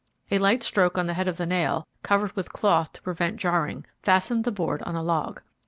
A light stroke on the head of the nail, covered with cloth to prevent jarring, fastened the board on a log.